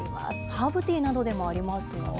ハーブティーなどでもありますよね。